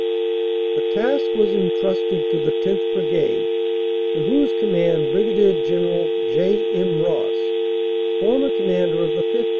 The task was entrusted to the 10th. Brigade, to whose com mand Brig. General J. M. Ross, former Commander of the 5th.